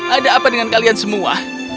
ada apa dengan kalian semua